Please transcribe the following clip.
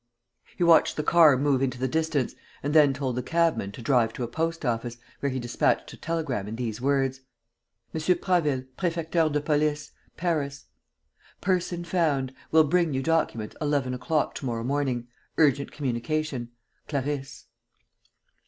He watched the car move into the distance and then told the cabman to drive to a post office, where he dispatched a telegram in these words: "M. Prasville, Prefecture de Police, Paris: "Person found. Will bring you document eleven o'clock to morrow morning. Urgent communication. "CLARISSE."